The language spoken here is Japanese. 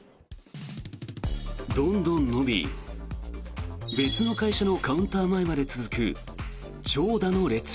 どんどん延び別の会社のカウンター前まで続く長蛇の列。